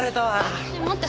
待って。